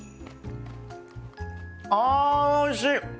あおいしい！